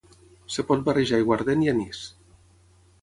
Es pot barrejar aiguardent i anís.